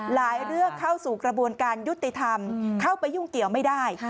เรื่องเข้าสู่กระบวนการยุติธรรมเข้าไปยุ่งเกี่ยวไม่ได้